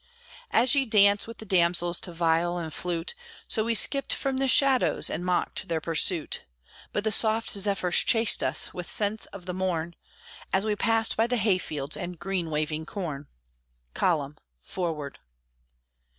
As ye dance with the damsels, to viol and flute, So we skipped from the shadows, and mocked their pursuit; But the soft zephyrs chased us, with scents of the morn, As we passed by the hay fields and green waving corn "Column! Forward!"